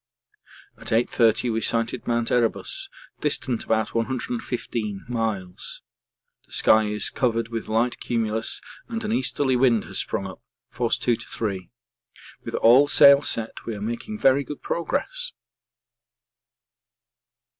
At 8.30 we sighted Mount Erebus, distant about 115 miles; the sky is covered with light cumulus and an easterly wind has sprung up, force 2 to 3. With all sail set we are making very good progress.